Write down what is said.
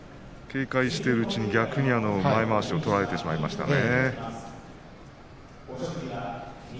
警戒をしているうちに逆に前まわしを取られてしまいましたね。